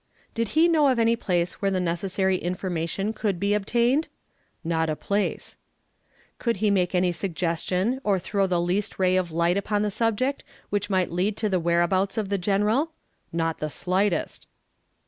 Did he know of any place where the necessary information could be obtained? "Not a place." Could he make any suggestion, or throw the least ray of light upon the subject, which might lead to the whereabouts of the general? "Not the slightest."